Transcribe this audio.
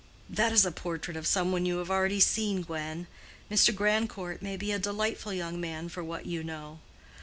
"That is a portrait of some one you have seen already, Gwen. Mr. Grandcourt may be a delightful young man for what you know."